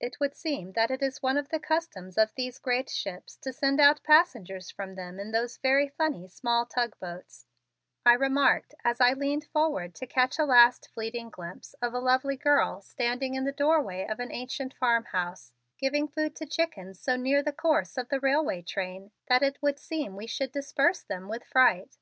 "It would seem that it is one of the customs of these great ships to send out passengers from them in those very funny small tug boats," I remarked as I leaned forward to catch a last fleeting glimpse of a lovely girl standing in the doorway of an ancient farmhouse, giving food to chickens so near the course of the railroad train that it would seem we should disperse them with fright.